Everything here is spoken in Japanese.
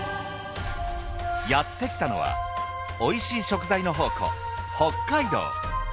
やって来たのはおいしい食材の宝庫北海道。